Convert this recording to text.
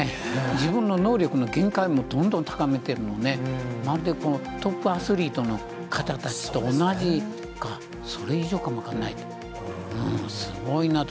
自分の能力の限界をどんどん高めて、まるでトップアスリートの方たちと同じか、それ以上かも分かんない、すごいなと。